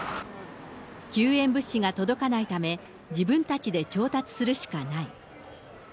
救援物資が届かないため、自分たちで調達するしかない。